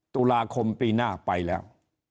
ตุลาคมปีหน้าไปแล้ว